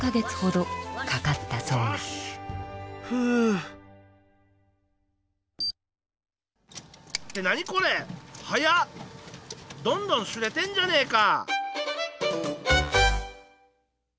どんどん刷れてんじゃねえか！